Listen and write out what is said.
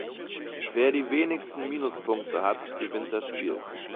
Wer die wenigsten Minuspunkte hat gewinnt das Spiel.